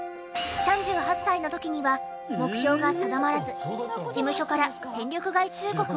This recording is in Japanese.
３８歳の時には目標が定まらず事務所から戦力外通告を受けます。